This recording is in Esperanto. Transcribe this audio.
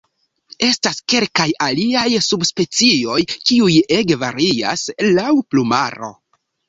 Estas kelkaj aliaj subspecioj kiuj ege varias laŭ plumaro.